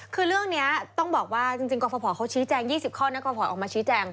คือเรื่องนี้ต้องบอกว่าจริงกรฟภเขาชี้แจง๒๐ข้อนะกรพออกมาชี้แจง